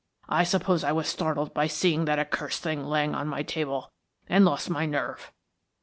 I suppose I was startled by seeing that accursed thing lying on my table, and lost my nerve."